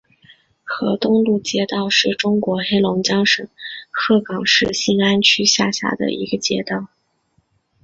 河东路街道是中国黑龙江省鹤岗市兴安区下辖的一个街道。